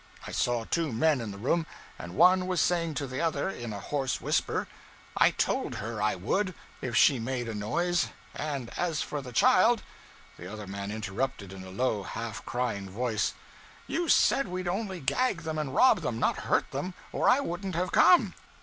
I saw two men in the room, and one was saying to the other, in a hoarse whisper, 'I told her I would, if she made a noise, and as for the child ' The other man interrupted in a low, half crying voice 'You said we'd only gag them and rob them, not hurt them; or I wouldn't have come.'